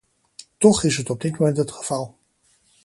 Toch is het op dit moment het geval.